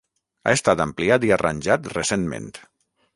Ha estat ampliat i arranjat recentment.